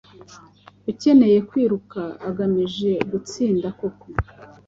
Ukeneye kwiruka ugamije gutsinda koko?